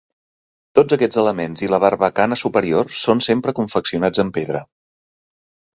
Tots aquests elements i la barbacana superior, són sempre confeccionats en pedra.